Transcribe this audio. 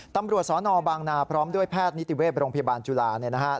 ตำรวจสนบางนาพร้อมด้วยแพทย์นิติเวศโรงพยาบาลจุฬา